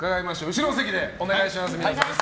後ろの席にお願いします。